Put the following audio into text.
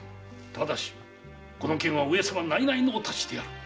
ただしこの件は上様内々のお達しである。